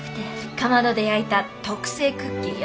かまどで焼いた特製クッキーよ。